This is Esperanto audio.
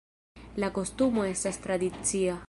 La kostumo estas tradicia.